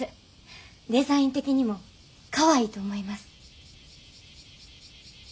デザイン的にもかわいいと思います。